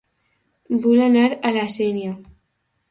Vull anar a La Sénia